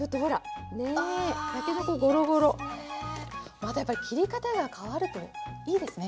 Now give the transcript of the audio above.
またやっぱり切り方が変わるといいですね。